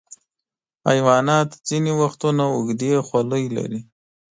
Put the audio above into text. حیوانات ځینې وختونه اوږدې خولۍ لري.